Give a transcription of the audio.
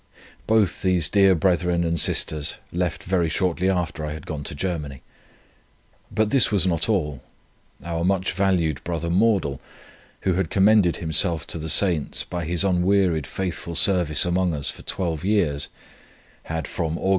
Both these dear brethren and sisters left very shortly after I had gone to Germany. But this was not all. Our much valued brother Mordal, who had commended himself to the saints by his unwearied faithful service among us for twelve years, had from Aug.